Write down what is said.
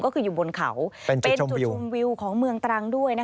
ก็คืออยู่บนเขาเป็นจุดชมวิวของเมืองตรังด้วย